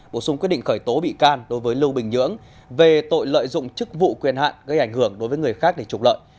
bổ sung quyết định khởi tố bị can đối với lưu bình nhưỡng về tội lợi dụng chức vụ quyền hạn gây ảnh hưởng đối với người khác để trục lợi